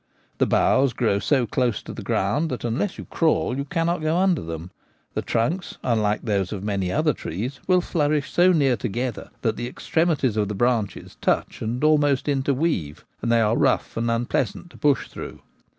The boughs grow so close to the ground that unless you crawl you cannot go under them. The trunks — unlike those of many other trees — will flourish so near together that the extremities of the branches touch and almost inter weave, and they are rough and unpleasant to push through.